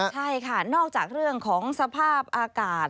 ใช่ค่ะนอกจากเรื่องของสภาพอากาศ